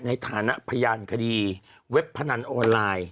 ในฐานะพยานคดีเว็บพนันออนไลน์